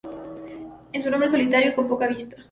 Es un hombre solitario y con poca vista.